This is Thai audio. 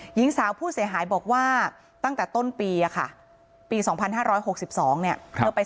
หญิงสาวผู้เสียหายบอกว่าตั้งแต่ต้นปีค่ะปี๒๕๖๒เนี่ยเธอไป